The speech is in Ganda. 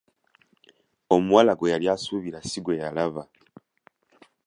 Omuwala gwe yali asuubira si gwe yalaba!